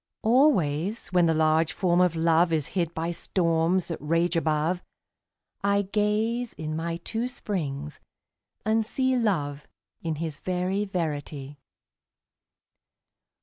Always when the large Form of Love Is hid by storms that rage above, I gaze in my two springs and see Love in his very verity.